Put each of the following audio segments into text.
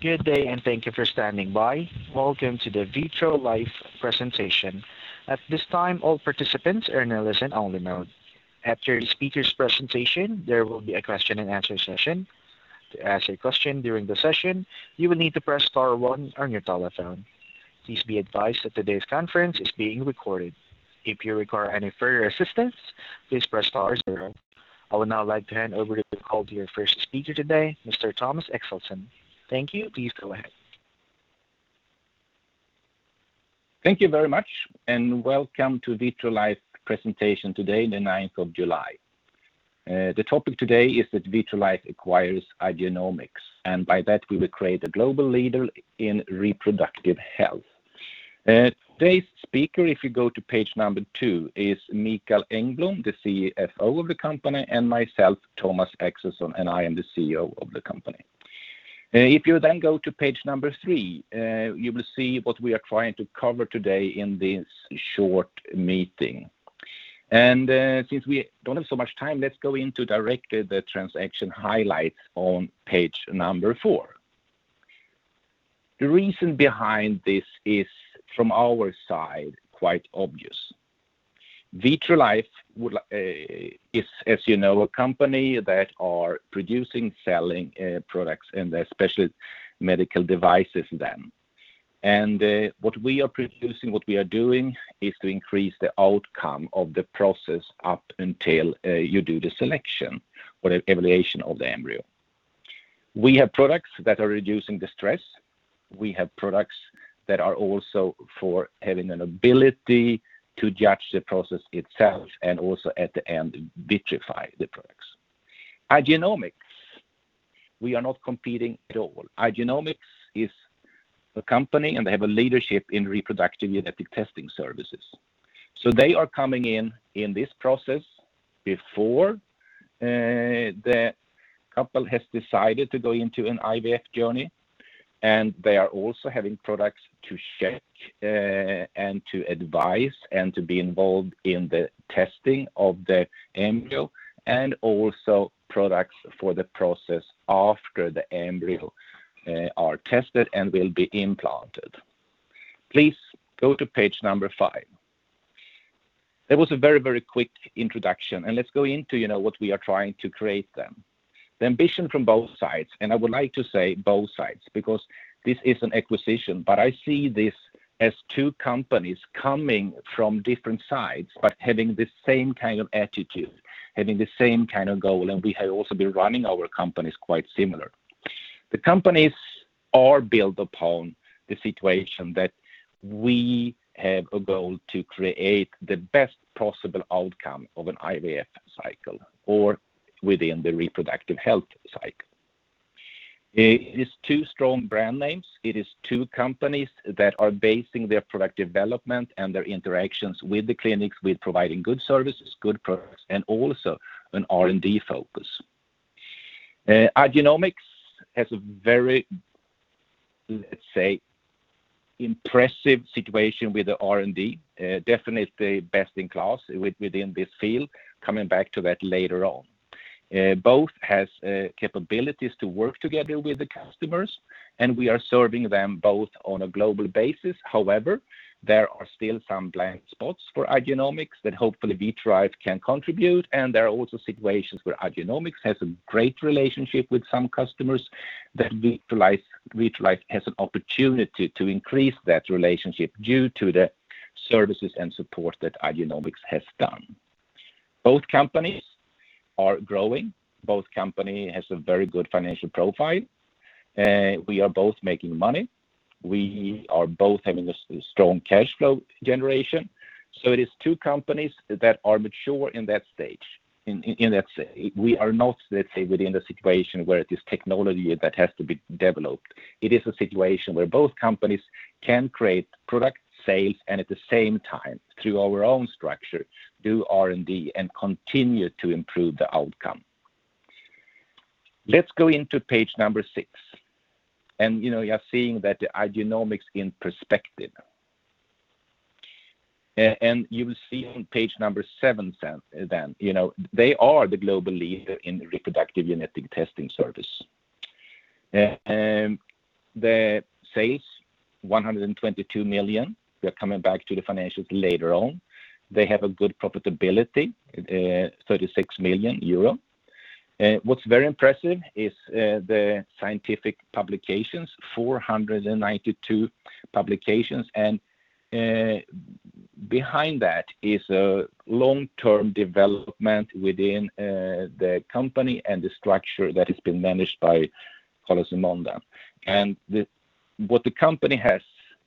Good day, and thank you for standing by. Welcome to the Vitrolife presentation. At this time, all participants are in a listen-only mode. After the speaker's presentation, there will be a question-and-answer session. To ask a question during the session, you will need to press star one on your telephone. Please be advised that today's conference is being recorded. If you require any further assistance, please press star zero. I would now like to hand over the call to your first speaker today, Mr. Thomas Axelsson. Thank you. Please go ahead. Thank you very much, and welcome to Vitrolife presentation today, the 9th of July. The topic today is that Vitrolife acquires Igenomix, by that we will create a global leader in reproductive health. Today's speaker, if you go to page number two, is Mikael Engblom, the CFO of the company, and myself, Thomas Axelsson, and I am the CEO of the company. If you go to page number three, you will see what we are trying to cover today in this short meeting. Since we don't have so much time, let's go into directly the transaction highlights on page number four. The reason behind this is from our side quite obvious. Vitrolife is, as you know, a company that are producing, selling, products and especially medical devices. What we are producing, what we are doing is to increase the outcome of the process up until you do the selection or the evaluation of the embryo. We have products that are reducing the stress, we have products that are also for having an ability to judge the process itself and also at the end vitrify the products. Igenomix, we are not competing at all. Igenomix is a company, and they have a leadership in reproductive genetic testing services. They are coming in this process before the couple has decided to go into an IVF journey, and they are also having products to check and to advise, and to be involved in the testing of the embryo, and also products for the process after the embryo are tested and will be implanted. Please go to page number five. That was a very, very quick introduction, and let's go into, you know, what we are trying to create then. The ambition from both sides, and I would like to say both sides, because this is an acquisition, but I see this as two companies coming from different sides but having the same kind of attitude, having the same kind of goal, and we have also been running our companies quite similar. The companies are built upon the situation that we have a goal to create the best possible outcome of an IVF cycle or within the reproductive health cycle. It is two strong brand names. It is two companies that are basing their product development and their interactions with the clinics, with providing good services, good products, and also an R&D focus. Igenomix has a very, let's say, impressive situation with the R&D, definitely best in class within this field. Coming back to that later on. Both has capabilities to work together with the customers, and we are serving them both on a global basis. However, there are still some blind spots for Igenomix that hopefully Vitrolife can contribute, and there are also situations where Igenomix has a great relationship with some customers that Vitrolife has an opportunity to increase that relationship due to the services and support that Igenomix has done. Both companies are growing. Both company has a very good financial profile. We are both making money. We are both having a strong cash flow generation. It is two companies that are mature in that stage, in that We are not, let's say, within a situation where it is technology that has to be developed. It is a situation where both companies can create product sales and at the same time, through our own structure, do R&D and continue to improve the outcome. Let's go into page number six. You know, you are seeing that Igenomix in perspective. You will see on page number seven then, you know, they are the global leader in reproductive genetic testing service. The sales, 122 million. We are coming back to the financials later on. They have a good profitability, 36 million euro. What's very impressive is the scientific publications, 492 publications, and behind that is a long-term development within the company and the structure that has been managed by Carlos Simón. What the company has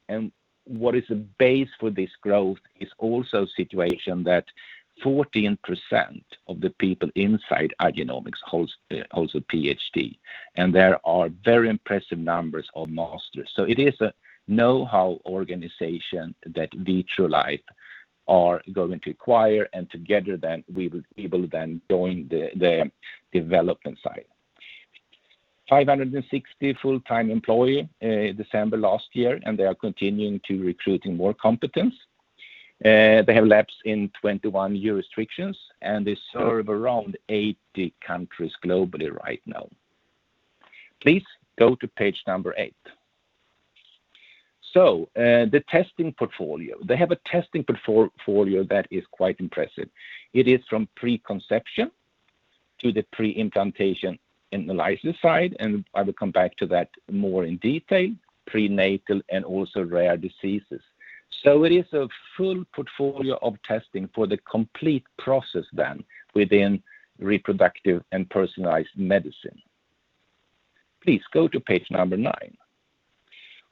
and what is the base for this growth is also a situation that 14% of the people inside Igenomix holds a PhD, and there are very impressive numbers of masters, so it is a knowhow organization that Vitrolife are going to acquire, and together then we will be able to then join the development side. 560 full-time employee, December last year, and they are continuing to recruiting more competence. They have labs in 21 jurisdictions, and they serve around 80 countries globally right now. Please go to page number eight. The testing portfolio. They have a testing portfolio that is quite impressive. It is from preconception to the pre-implantation analysis side, and I will come back to that more in detail, prenatal and also rare diseases. It is a full portfolio of testing for the complete process then within reproductive and personalized medicine. Please go to page number nine.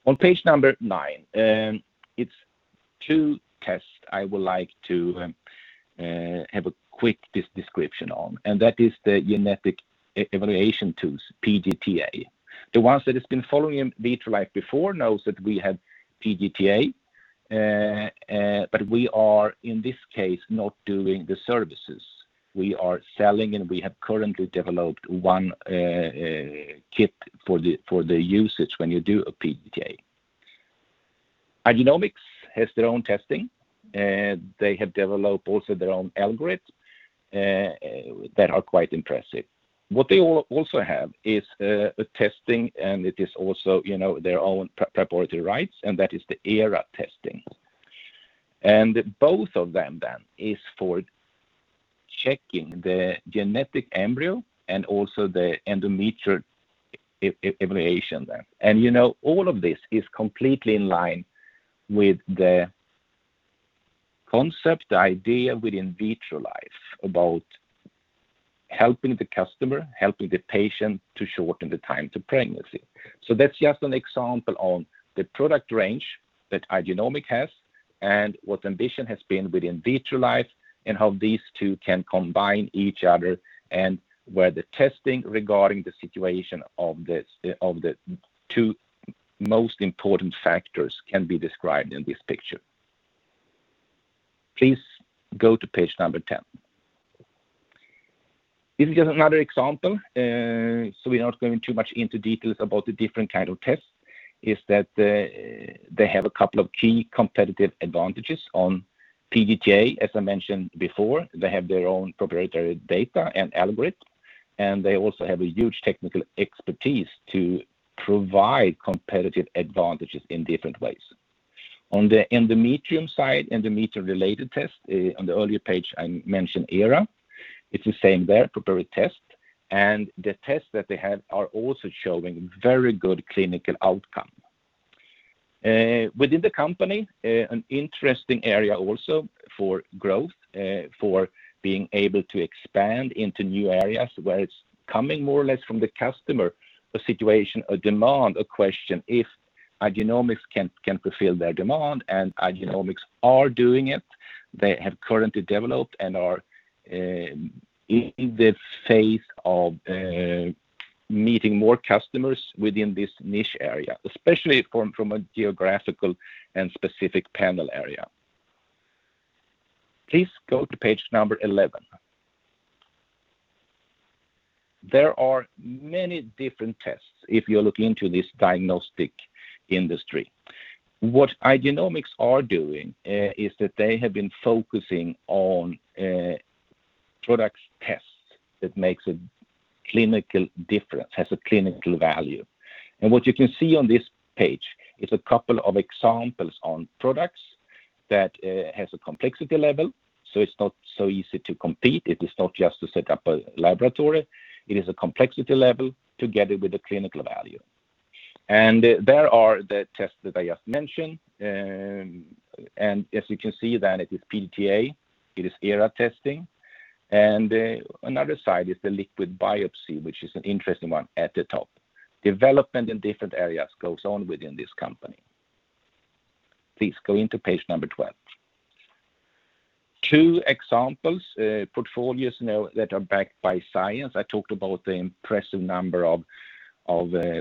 On page number nine, it's two tests I would like to have a quick description on, that is the genetic evaluation tools, PGT-A. The ones that has been following Vitrolife before knows that we have PGT-A. We are in this case not doing the services. We are selling and we have currently developed one kit for the usage when you do a PGT-A. Igenomix has their own testing, they have developed also their own algorithms that are quite impressive. What they also have is a testing, it is also, you know, their own proprietary rights, that is the ERA testing. Both of them then is for checking the genetic embryo and also the endometrial evaluation then. You know, all of this is completely in line with the concept, the idea within Vitrolife about helping the customer, helping the patient to shorten the time to pregnancy. That's just an example on the product range that Igenomix has and what ambition has been within Vitrolife and how these two can combine each other and where the testing regarding the situation of the two most important factors can be described in this picture. Please go to page number 10. This is just another example, we're not going too much into details about the different kind of tests, is that they have a couple of key competitive advantages on PGT-A. As I mentioned before, they have their own proprietary data and algorithm, and they also have a huge technical expertise to provide competitive advantages in different ways. On the endometrium side, endometrium-related test, on the earlier page I mentioned ERA. It's the same there, [endometrial test], and the tests that they have are also showing very good clinical outcome. Within the company, an interesting area also for growth, for being able to expand into new areas where it's coming more or less from the customer, a situation, a demand, a question if Igenomix can fulfill their demand, and Igenomix are doing it. They have currently developed and are in the phase of meeting more customers within this niche area, especially from a geographical and specific panel area. Please go to page number 11. There are many different tests if you look into this diagnostic industry. What Igenomix are doing is that they have been focusing on products tests that makes a clinical difference, has a clinical value. What you can see on this page is a couple of examples on products that has a complexity level, so it's not so easy to compete. It is not just to set up a laboratory. It is a complexity level together with a clinical value, and there are the tests that I just mentioned. As you can see, it is PGT-A, it is ERA testing, another side is the liquid biopsy, which is an interesting one at the top. Development in different areas goes on within this company. Please go into page number 12. Two examples, portfolios now that are backed by science. I talked about the impressive number of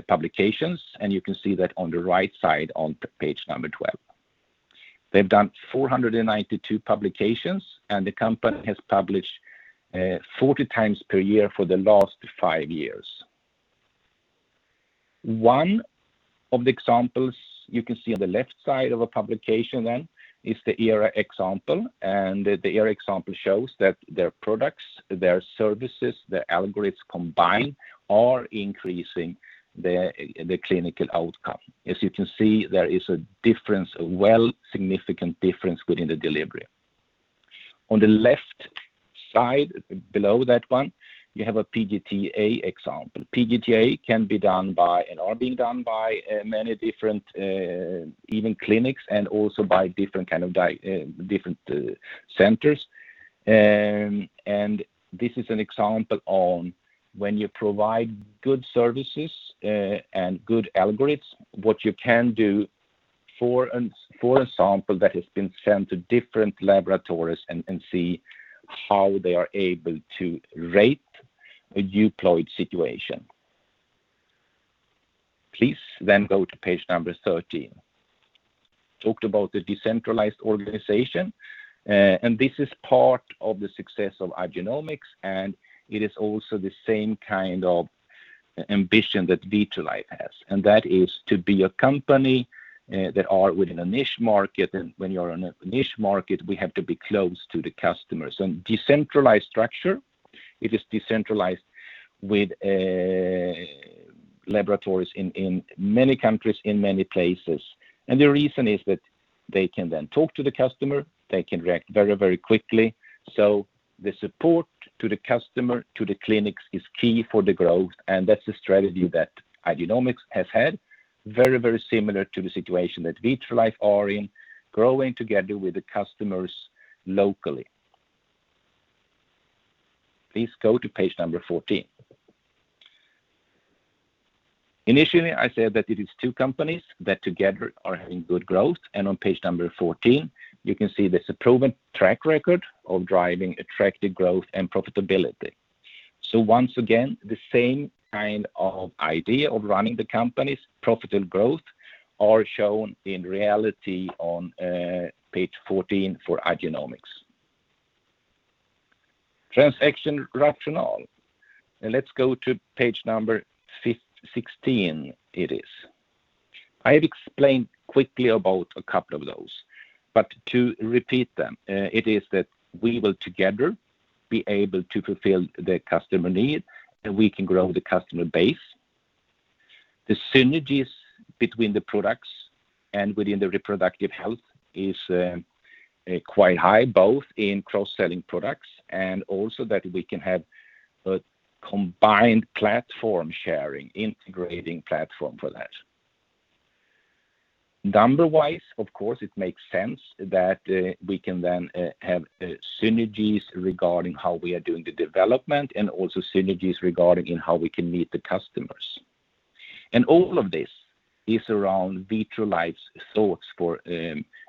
publications, and you can see that on the right side on page number 12. They've done 492 publications, and the company has published 40 times per year for the last five years. One of the examples you can see on the left side of a publication is the ERA example. The ERA example shows that their products, their services, their algorithms combined are increasing the clinical outcome. As you can see, there is a difference, a well significant difference within the delivery. On the left side below that one, you have a PGT-A example. PGT-A can be done by and are being done by many different, even clinics and also by different kind of different centers. This is an example on when you provide good services and good algorithms, what you can do for a sample that has been sent to different laboratories and see how they are able to rate a euploid situation. Please go to page number 13. Talked about the decentralized organization, this is part of the success of Igenomix, it is also the same kind of ambition that Vitrolife has, and that is to be a company that are within a niche market. When you are in a niche market, we have to be close to the customers. Decentralized structure, it is decentralized with laboratories in many countries, in many places. The reason is that they can then talk to the customer, they can react very quickly, so the support to the customer, to the clinics is key for the growth, and that is the strategy that Igenomix has had, very similar to the situation that Vitrolife are in, growing together with the customers locally. Please go to page number 14. Initially, I said that it is two companies that together are having good growth, and on page number 14, you can see there is a proven track record of driving attractive growth and profitability. Once again, the same kind of idea of running the company's profitable growth are shown in reality on page 14 for Igenomix. Transaction rationale. Let's go to page number 16 it is. I have explained quickly about a couple of those, but to repeat them, it is that we will together be able to fulfill the customer need, and we can grow the customer base. The synergies between the products and within the reproductive health is quite high, both in cross-selling products and also that we can have a combined platform sharing, integrating platform for that. Number-wise, of course, it makes sense that we can then have synergies regarding how we are doing the development and also synergies regarding in how we can meet the customers, and all of this is around Vitrolife's thoughts for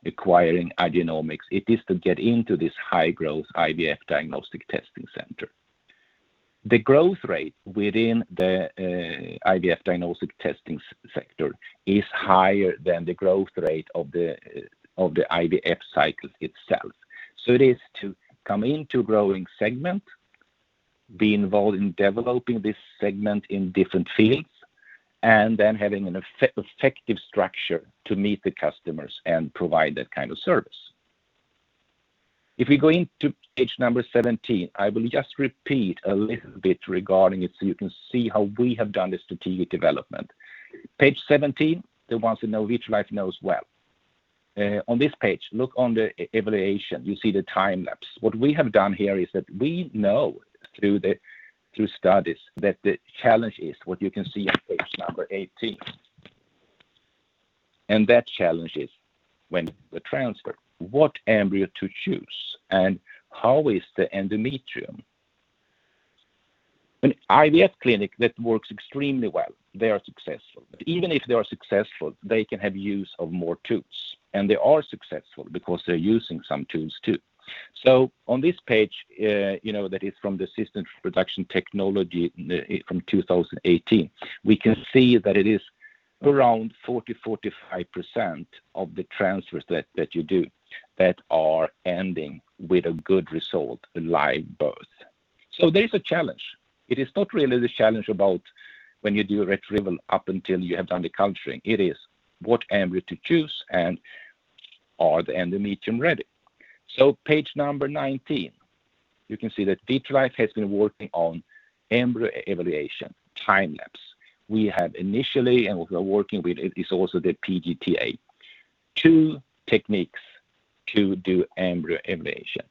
acquiring Igenomix. It is to get into this high-growth IVF diagnostic testing center. The growth rate within the IVF diagnostic testing sector is higher than the growth rate of the IVF cycle itself. It is to come into growing segment, be involved in developing this segment in different fields, and then having an effective structure to meet the customers and provide that kind of service. If we go into page number 17, I will just repeat a little bit regarding it so you can see how we have done the strategic development. Page 17, the ones who know Vitrolife knows well. On this page, look on the evaluation. You see the time-lapse. What we have done here is that we know through studies that the challenge is what you can see on page number 18. That challenge is when the transfer, what embryo to choose and how is the endometrium. An IVF clinic that works extremely well, they are successful. Even if they are successful, they can have use of more tools, and they are successful because they're using some tools too, so on this page, you know, that is from the Assisted Reproduction Technology, from 2018, we can see that it is around 40-45% of the transfers that you do that are ending with a good result, a live birth, so there is a challenge. It is not really the challenge about when you do retrieval up until you have done the culturing. It is what embryo to choose and are the endometrium ready. Page number 19, you can see that Vitrolife has been working on embryo evaluation time-lapse. We have initially, and we are working with it, is also the PGT-A. Two techniques to do embryo evaluation.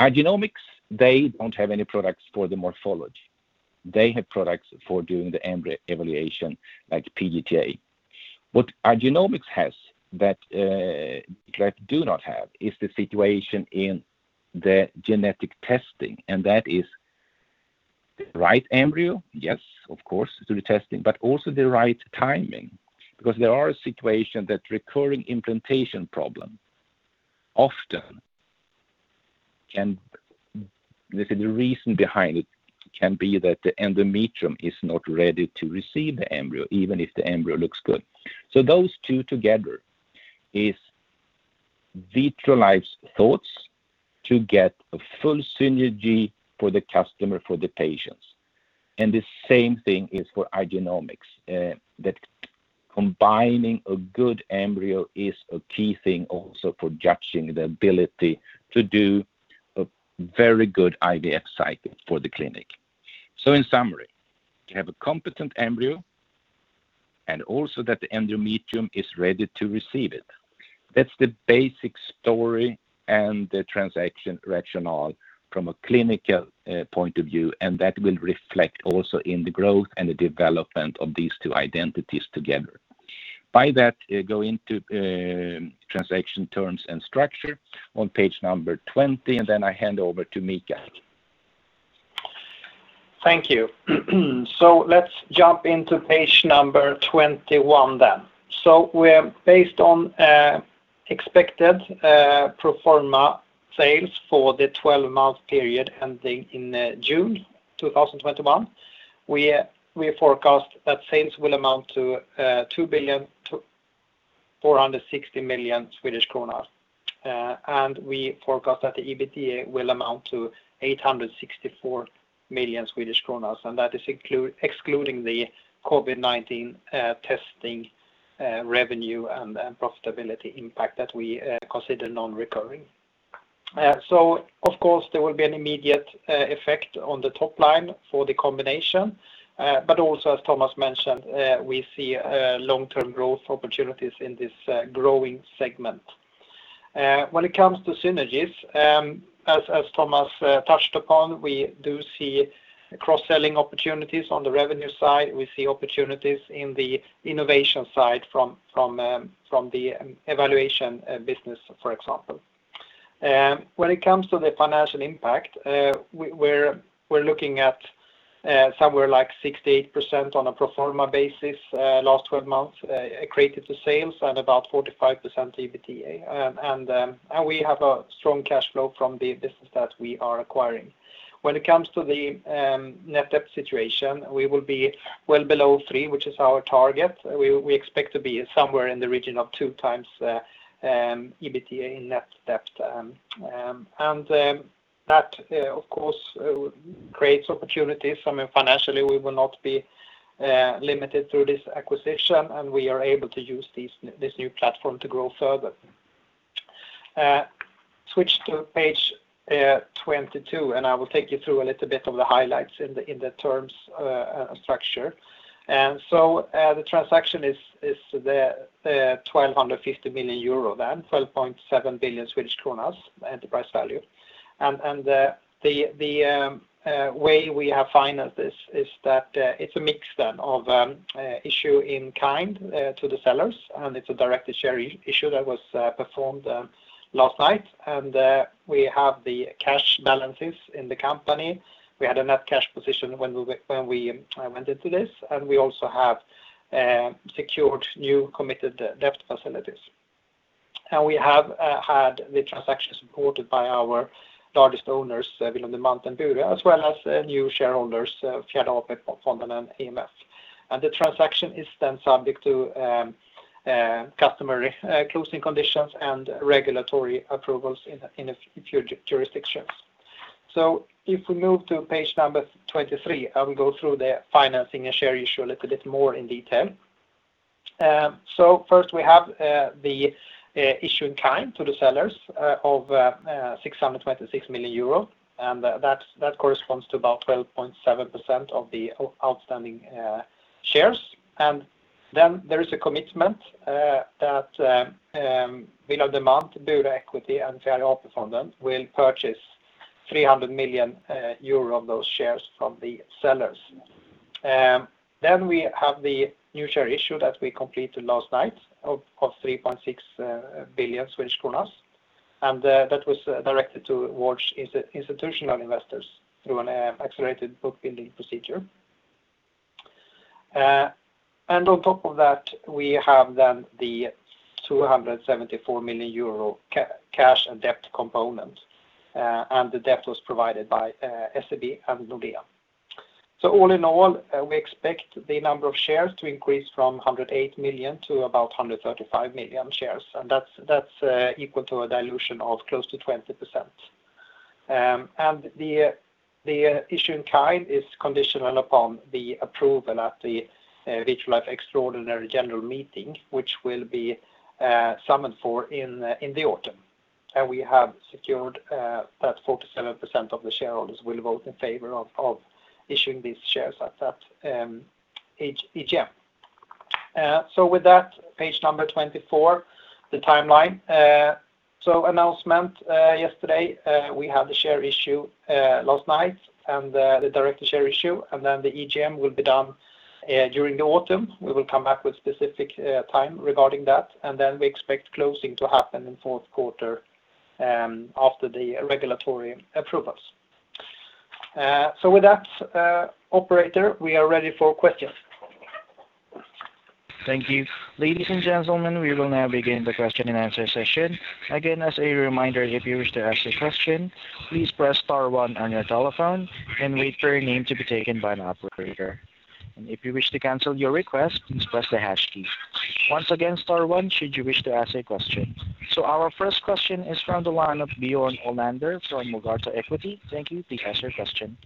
Igenomix, they don't have any products for the morphology. They have products for doing the embryo evaluation like PGT-A. What Igenomix has that Vitrolife do not have is the situation in the genetic testing, and that is the right embryo, yes, of course, through the testing, but also the right timing because there are a situation that recurring implantation problem. The reason behind it can be that the endometrium is not ready to receive the embryo, even if the embryo looks good. Those two together is Vitrolife's thoughts to get a full synergy for the customer, for the patients, and the same thing is for Igenomix, that combining a good embryo is a key thing also for judging the ability to do a very good IVF cycle for the clinic. In summary, you have a competent embryo and also that the endometrium is ready to receive it. That's the basic story and the transaction rationale from a clinical point of view, and that will reflect also in the growth and the development of these two identities together. By that, go into transaction terms and structure on page number 20, and then I hand over to Mika. Thank you. Let's jump into page number 21 then. We're based on expected pro forma sales for the 12-month period ending in June 2021. We forecast that sales will amount to 2.460 billion, and we forecast that the EBITDA will amount to 864 million Swedish kronor, and that is excluding the COVID-19 testing revenue and profitability impact that we consider non-recurring. Of course there will be an immediate effect on the top line for the combination, but also, as Thomas mentioned, we see long-term growth opportunities in this growing segment. When it comes to synergies, as Thomas touched upon, we do see cross-selling opportunities on the revenue side. We see opportunities in the innovation side from the evaluation business, for example. When it comes to the financial impact, we're looking at somewhere like 68% on a pro forma basis, last 12 months, accretive to sales and about 45% EBITDA, and we have a strong cash flow from the business that we are acquiring. When it comes to the net debt situation, we will be well below three, which is our target. We expect to be somewhere in the region of 2x EBITDA in net debt, and that of course creates opportunities. I mean, financially, we will not be limited through this acquisition, and we are able to use this new platform to grow further. Switch to page 22, and I will take you through a little bit of the highlights in the terms structure. The transaction is the 1,250 million euro then, 12.7 billion Swedish kronor enterprise value, and the way we have financed this is that it's a mix then of issue in kind to the sellers, it's a directed share issue that was performed last night, and we have the cash balances in the company. We had a net cash position when we went into this, and we also have secured new committed debt facilities. We have had the transaction supported by our largest owners, William Demant and Bure, as well as new shareholders, Fjärde AP-fonden and AMF. The transaction is then subject to customary closing conditions and regulatory approvals in a few jurisdictions. If we move to page number 23, I will go through the financing and share issue a little bit more in detail. First, we have the issue in kind to the sellers of 626 million euro, and that corresponds to about 12.7% of the outstanding shares. Then there is a commitment that William Demant, Bure Equity, and Fjärde AP-fonden will purchase 300 million euro of those shares from the sellers. Then we have the new share issue that we completed last night of 3.6 billion Swedish kronor, and that was directed towards institutional investors through an accelerated bookbuilding procedure. On top of that, we have then the 274 million euro cash and debt component, and the debt was provided by SEB and Nordea. All in all, we expect the number of shares to increase from 108 million to about 135 million shares, and that's equal to a dilution of close to 20%. The issue in kind is conditional upon the approval at the Vitrolife extraordinary general meeting, which will be summoned for in the autumn. We have secured that 47% of the shareholders will vote in favor of issuing these shares at that AGM. With that, page number 24, the timeline. Announcement yesterday, we had the share issue last night and the directed share issue, and then the AGM will be done during the autumn. We will come back with specific time regarding that, and then we expect closing to happen in Q4 after the regulatory approvals. With that, operator, we are ready for questions. Thank you. Ladies and gentlemen, we will now begin the question and answer session. Again, as a reminder, if you wish to ask a question, please press star one on your telephone and wait for your name to be taken by an operator. If you wish to cancel your request, please press the hash key. Once again, star one should you wish to ask a question. Our first question is from the line of Björn Olander from Murgata Equity. Thank you. Please ask your question.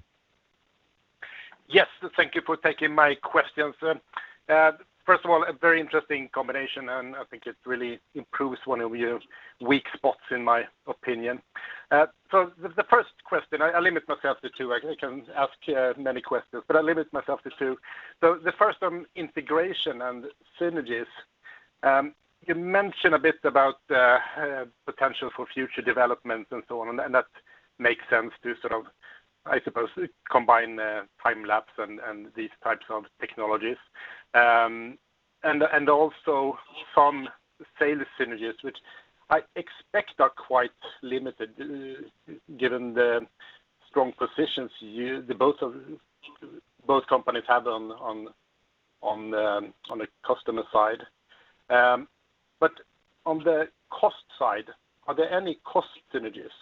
Yes. Thank you for taking my questions. First of all, a very interesting combination, and I think it really improves one of your weak spots, in my opinion. The first question, I limit myself to two. I can ask many questions, but I limit myself to two. The first on integration and synergies, you mentioned a bit about potential for future developments and so on, and that makes sense to sort of, I suppose, combine time-lapse, and these types of technologies, and also some sales synergies, which I expect are quite limited, given the strong positions both companies have on the customer side, but on the cost side, are there any cost synergies?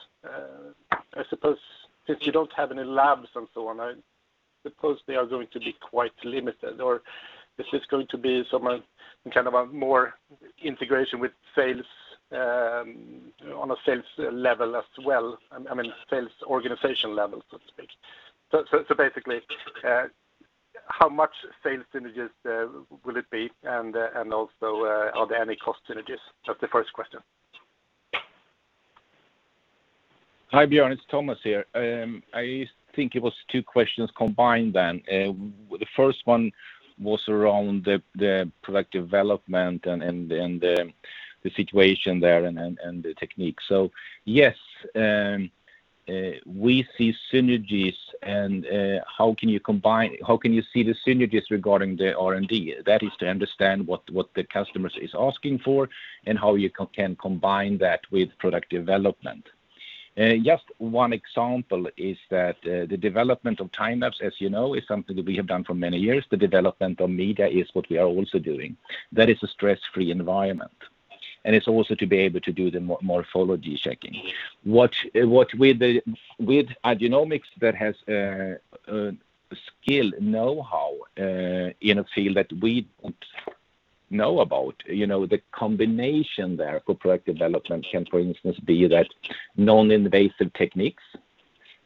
I suppose since you don't have any labs and so on. Suppose they are going to be quite limited, or is this going to be some kind of a more integration with sales, on a sales level as well? I mean, sales organization level, so to speak. Basically, how much sales synergies will it be, and also, are there any cost synergies? That's the first question. Hi, Björn, it's Thomas here. I think it was two questions combined then. The first one was around the product development, and the situation there, and the technique. Yes, we see synergies and how can you see the synergies regarding the R&D? That is to understand what the customers is asking for and how you can combine that with product development. Just one example is that the development of time-lapse, as you know, is something that we have done for many years. The development of media is what we are also doing. That is a stress-free environment, and it's also to be able to do the morphology checking. What with the Igenomix that has a skill knowhow in a field that we don't know about, you know, the combination there for product development can, for instance, be that non-invasive techniques.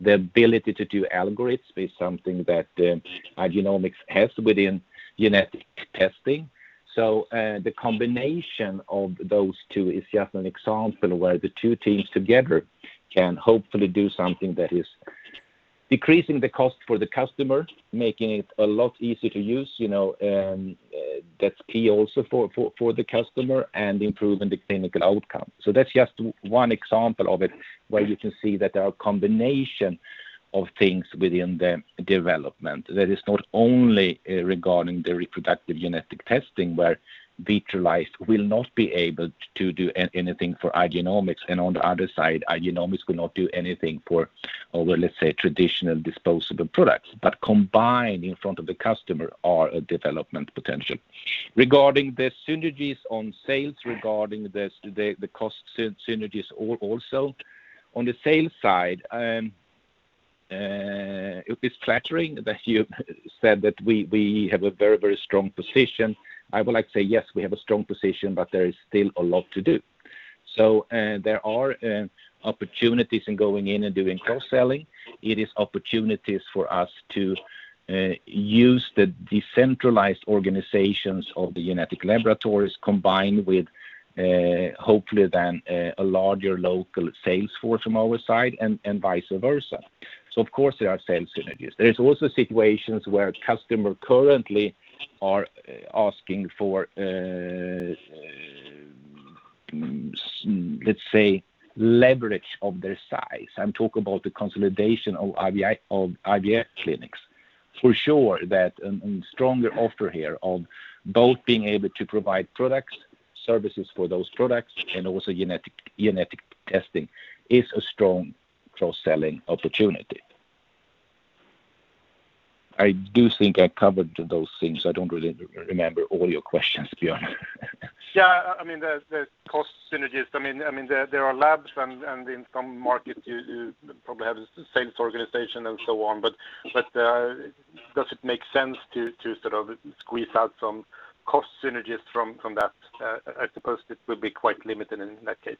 The ability to do algorithms is something that Igenomix has within genetic testing, so the combination of those two is just an example where the two teams together can hopefully do something that is decreasing the cost for the customer, making it a lot easier to use, you know, that's key also for the customer, and improving the clinical outcome. That's just one example of it where you can see that there are combination of things within the development that is not only regarding the reproductive genetic testing, where Vitrolife will not be able to do anything for Igenomix. On the other side, Igenomix will not do anything for our, let's say, traditional disposable products, but combined in front of the customer are a development potential. Regarding the synergies on sales, regarding the cost synergies also. On the sales side, it is flattering that you said that we have a very, very strong position. I would like to say yes, we have a strong position, but there is still a lot to do. There are opportunities in going in and doing cross-selling. It is opportunities for us to use the decentralized organizations of the genetic laboratories combined with hopefully then a larger local sales force from our side and vice versa. Of course, there are sales synergies. There is also situations where customer currently are asking for, let's say, leverage of their size. I'm talking about the consolidation of IVF, of IVF clinics. So sure that stronger offer here of both being able to provide products, services for those products, and also genetic testing is a strong cross-selling opportunity. I do think I covered those things. I don't really remember all your questions, Björn. Yeah. I mean, the cost synergies, I mean, there are labs and in some markets you probably have a sales organization and so on. Does it make sense to sort of squeeze out some cost synergies from that? I suppose it will be quite limited in that case.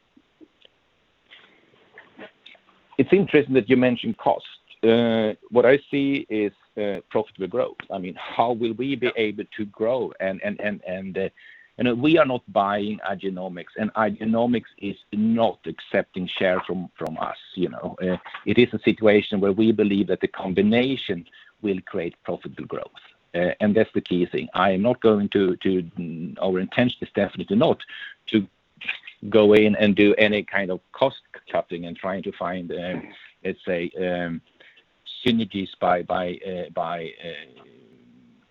It's interesting that you mention cost. What I see is profitable growth. I mean, how will we be able to grow? You know, we are not buying Igenomix, and Igenomix is not accepting shares from us, you know. It is a situation where we believe that the combination will create profitable growth, and that's the key thing. I am not going to, our intention is definitely not to go in and do any kind of cost cutting and trying to find, let's say, synergies by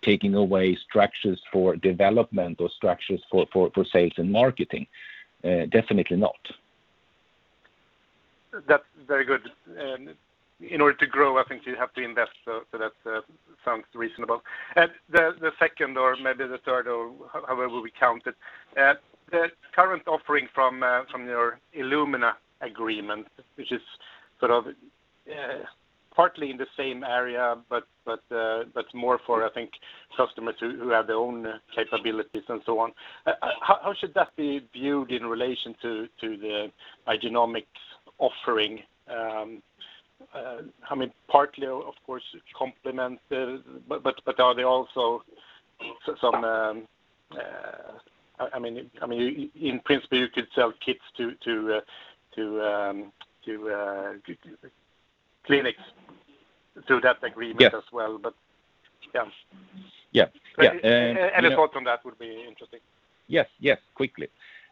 taking away structures for development or structures for sales and marketing. Definitely not. That's very good. In order to grow, I think you have to invest, so that sounds reasonable. The second or maybe the third, or however we count it, the current offering from your Illumina agreement, which is sort of partly in the same area but more for, I think customers who have their own capabilities and so on. How should that be viewed in relation to the Igenomix offering? I mean, partly of course complements, but are they also some, I mean, in principle, you could sell kits to clinics through that agreement as well, yeah. Yeah. Yeah. Any thought on that would be interesting. Yes, yes. Quickly.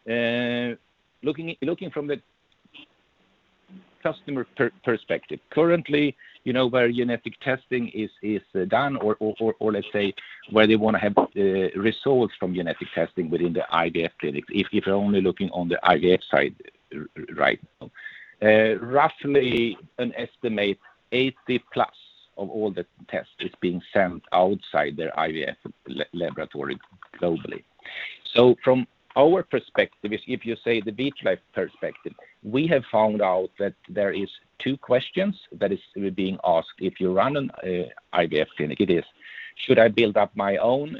Looking from the customer perspective, currently, you know, where genetic testing is done or let's say where they wanna have results from genetic testing within the IVF clinics, if you're only looking on the IVF side right now. Roughly an estimate 80+ of all the tests is being sent outside their IVF laboratory globally. From our perspective is if you say the Vitrolife perspective, we have found out that there is two questions that is being asked if you run an IVF clinic. It is should I build up my own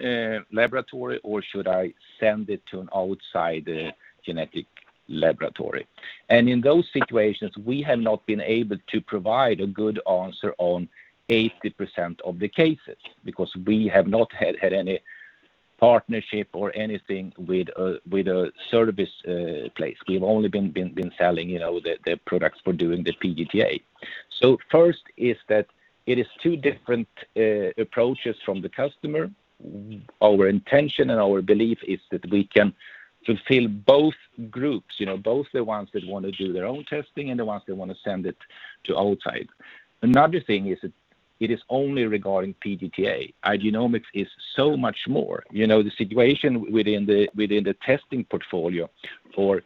laboratory or should I send it to an outside genetic laboratory? In those situations, we have not been able to provide a good answer on 80% of the cases because we have not had any partnership or anything with a service place. We've only been selling, you know, the products for doing the PGT-A. First is that it is two different approaches from the customer. Our intention and our belief is that we can fulfill both groups, you know, both the ones that wanna do their own testing and the ones that wanna send it to outside. Another thing is it is only regarding PGT-A. Igenomix is so much more. You know, the situation within the testing portfolio for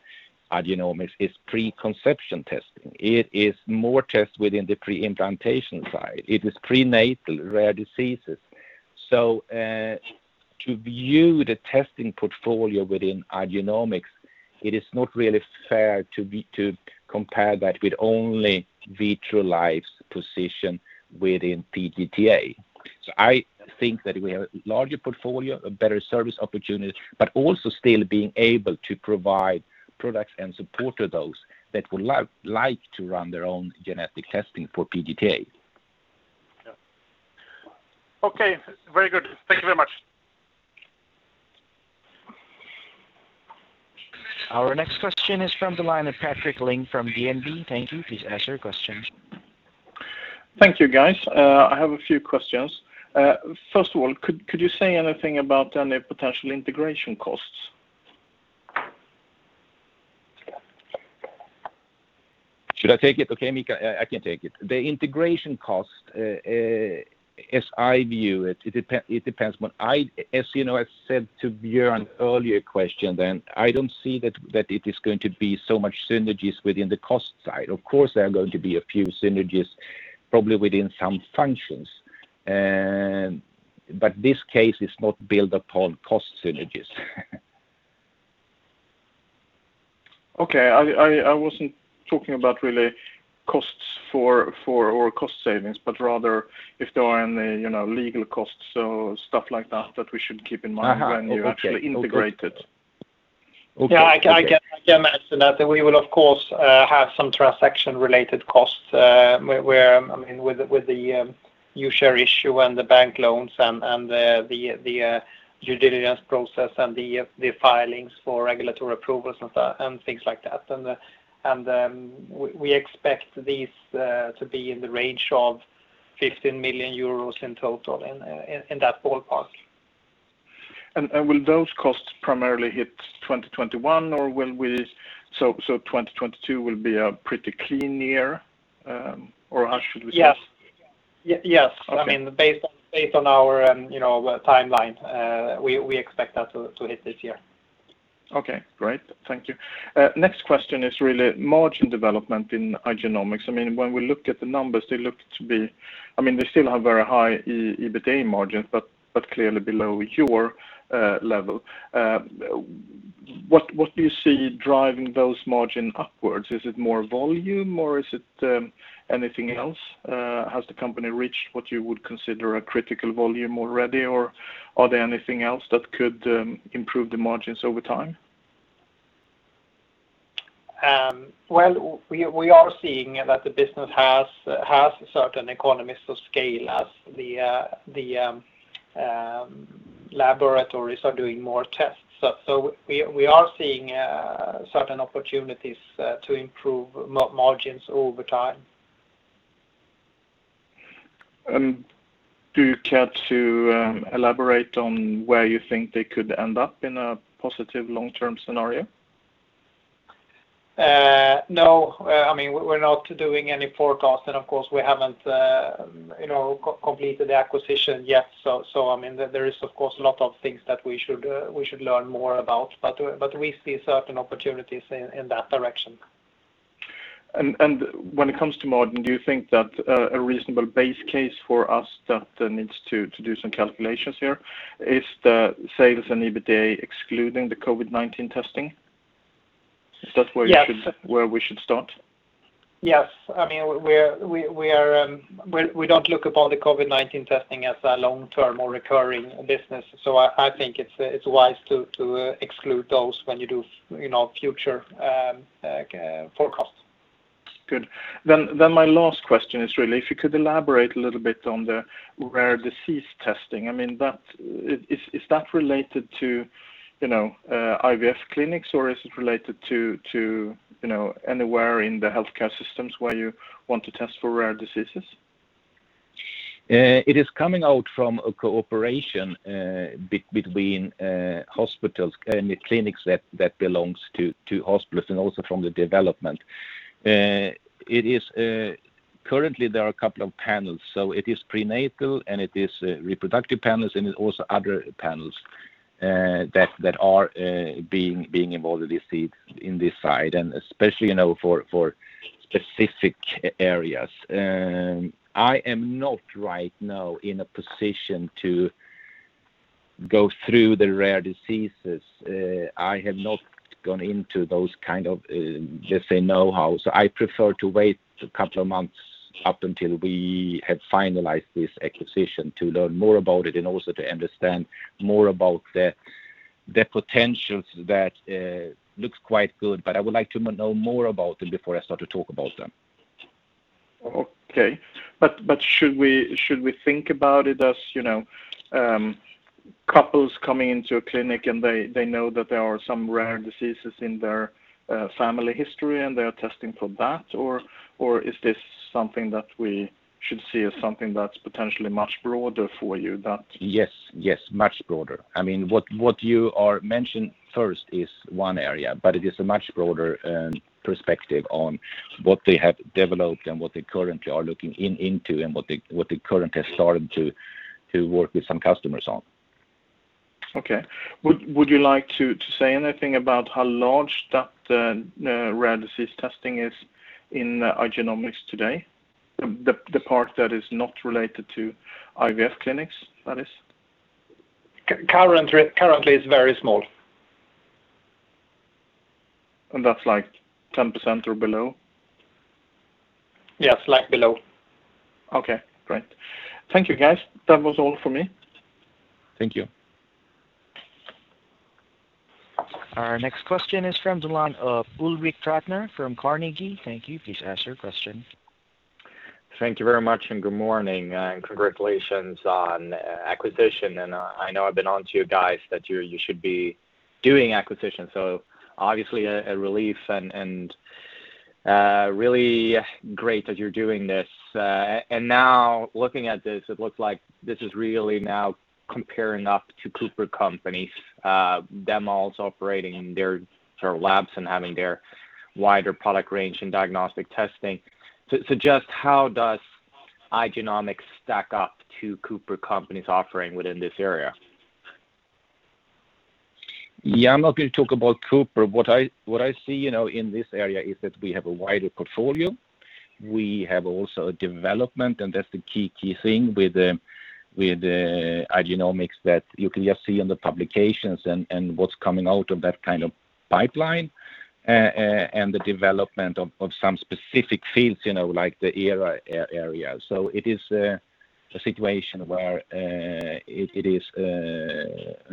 Igenomix is preconception testing. It is more tests within the pre-implantation side. It is prenatal rare diseases. To view the testing portfolio within Igenomix, it is not really fair to compare that with only Vitrolife's position within PGTA. I think that we have larger portfolio, a better service opportunity, but also still being able to provide products and support to those that would like to run their own genetic testing for PGTA. Yeah. Okay. Very good. Thank you very much. Our next question is from the line of Patrik Ling from DNB. Thank you. Please ask your questions. Thank you, guys. I have a few questions. First of all, could you say anything about any potential integration costs? Should I take it? Okay, Mika, I can take it. The integration cost, as I view it depends what I, you know, I said to Björn earlier question then I don't see that it is going to be so much synergies within the cost side. Of course, there are going to be a few synergies probably within some functions, but this case is not built upon cost synergies. Okay. I wasn't talking about really costs for or cost savings, but rather if there are any, you know, legal costs or stuff like that we should keep in mind when you actually integrate it. Yeah, I can, I can imagine that. We will of course have some transaction related costs, where, I mean, with the, with the new share issue and the bank loans and the due diligence process and the filings for regulatory approvals and so and things like that, and we expect these to be in the range of 15 million euros in total in that ballpark. Will those costs primarily hit 2021 or will we 2022 will be a pretty clean year, or how should we see it? Yes. Yes. I mean, based on our, you know, timeline, we expect that to hit this year. Okay, great. Thank you. Next question is really margin development in Igenomix. I mean, when we look at the numbers, they look to be I mean, they still have very high EBITDA margins, but clearly below your level. What do you see driving those margin upwards? Is it more volume or is it anything else? Has the company reached what you would consider a critical volume already or are there anything else that could improve the margins over time? Well, we are seeing that the business has certain economies of scale as the laboratories are doing more tests, so we are seeing certain opportunities to improve margins over time. Do you care to elaborate on where you think they could end up in a positive long-term scenario? No. I mean, we're not doing any forecast and of course we haven't, you know, completed the acquisition yet, so I mean, there is of course a lot of things that we should learn more about, but we see certain opportunities in that direction. When it comes to margin, do you think that a reasonable base case for us that needs to do some calculations here is the sales and EBITDA excluding the COVID-19 testing? Is that where we should start? Yes. I mean, we don't look upon the COVID-19 testing as a long-term or recurring business, so I think it's wise to exclude those when you do, you know, future forecasts. Good. My last question is really if you could elaborate a little bit on the rare disease testing. I mean, that, is that related to, you know, IVF clinics or is it related to, you know, anywhere in the healthcare systems where you want to test for rare diseases? It is coming out from a cooperation between hospitals and the clinics that belongs to hospitals and also from the development. It is currently there are a couple of panels, so it is prenatal and it is reproductive panels, and it is also other panels that are being involved in this field, in this side, and especially, you know, for specific areas. I am not right now in a position to go through the rare diseases. I have not gone into those kind of just say know-how. I prefer to wait a couple of months up until we have finalized this acquisition to learn more about it and also to understand more about the potentials that looks quite good, but I would like to know more about them before I start to talk about them. Okay. Should we think about it as, you know, couples coming into a clinic and they know that there are some rare diseases in their family history, and they are testing for that, or is this something that we should see as something that's potentially much broader for you? Yes, much broader. I mean, what you are mention first is one area, but it is a much broader perspective on what they have developed and what they currently are looking into, and what they currently have started to work with some customers on. Okay. Would you like to say anything about how large that rare disease testing is in Igenomix today? The part that is not related to IVF clinics, that is. Currently is very small. That's like 10% or below? Yes, like below. Okay, great. Thank you, guys. That was all for me. Thank you. Our next question is from the line of Ulrik Trattner from Carnegie. Thank you. Please ask your question. Thank you very much. Good morning, and congratulations on acquisition. I know I've been on to you guys that you should be doing acquisition, so obviously a relief and really great that you're doing this. Now looking at this, it looks like this is really now comparing up to CooperCompanies, them also operating in their sort of labs and having their wider product range and diagnostic testing. Just how does Igenomix stack up to CooperCompanies' offering within this area? Yeah, I'm not going to talk about Cooper. What I see, you know, in this area is that we have a wider portfolio. We have also a development, and that's the key thing with Igenomix that you can just see on the publications and what's coming out of that kind of pipeline, and the development of some specific fields, you know, like the ERA area, so it is a situation where it is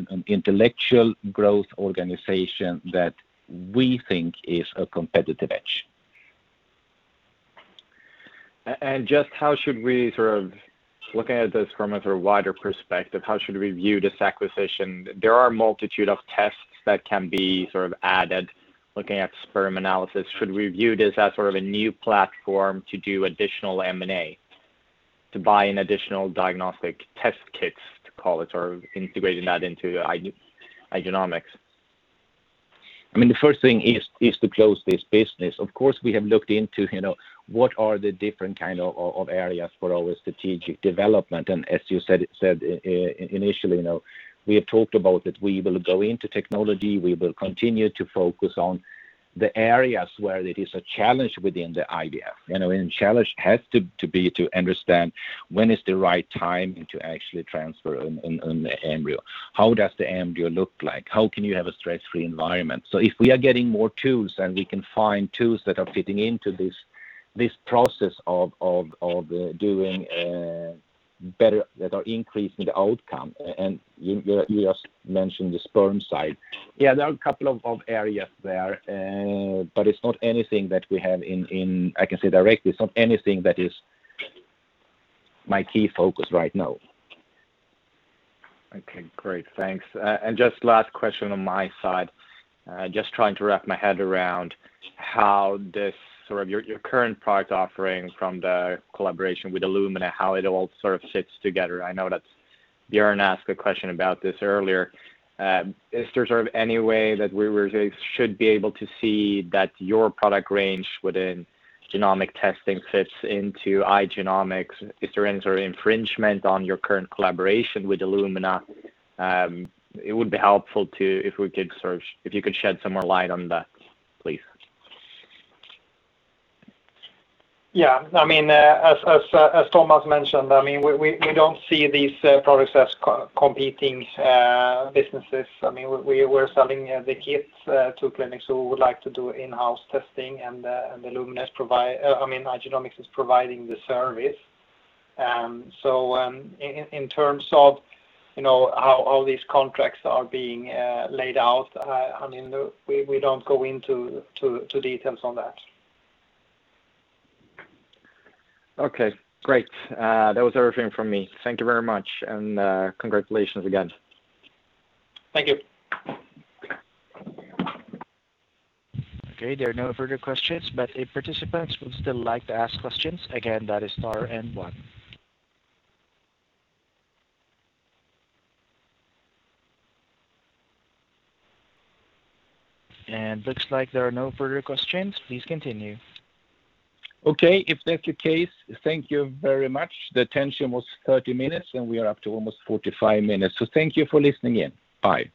an intellectual growth organization that we think is a competitive edge. Just how should we sort of Looking at this from a sort of wider perspective, how should we view this acquisition? There are a multitude of tests that can be sort of added. Looking at sperm analysis, should we view this as sort of a new platform to do additional M&A, to buy an additional diagnostic test kits, to call it, or integrating that into Igenomix? I mean, the first thing is to close this business. Of course, we have looked into, you know, what are the different kind of areas for our strategic development. As you said initially, you know, we have talked about that we will go into technology. We will continue to focus on the areas where it is a challenge within the IVF. You know, challenge has to be to understand when is the right time to actually transfer an embryo. How does the embryo look like? How can you have a stress-free environment? So if we are getting more tools and we can find tools that are fitting into this process of doing better that are increasing the outcome. You just mentioned the sperm side. Yeah, there are a couple of areas there. It's not anything that we have I can say directly, it's not anything that is my key focus right now. Okay, great. Thanks. Just last question on my side. Just trying to wrap my head around how this sort of your current product offering from the collaboration with Illumina, how it all sort of fits together. I know that Björn asked a question about this earlier. Is there any way that we should be able to see that your product range within genomic testing fits into Igenomix? Is there any sort of infringement on your current collaboration with Illumina? It would be helpful if you could shed some more light on that, please. Yeah. I mean, as Thomas mentioned, I mean, we don't see these products as co-competing businesses. I mean, we're selling the kits to clinics who would like to do in-house testing and Igenomix is providing the service. In terms of, you know, how all these contracts are being laid out, I mean, We don't go into to details on that. Okay, great. That was everything from me. Thank you very much, and congratulations again. Thank you. There are no further questions, but if participants would still like to ask questions, again, that is star and one. Looks like there are no further questions. Please continue. Okay. If that's the case, thank you very much. The attention was 30 minutes, and we are up to almost 45 minutes, so thank you for listening in. Bye.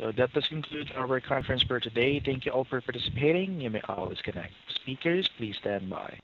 That does conclude our conference for today. Thank you all for participating. You may always connect. Speakers, please stand by.